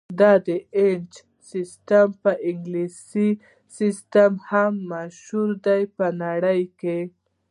د ایچ سیسټم په انګلیسي سیسټم هم مشهور دی په نړۍ کې.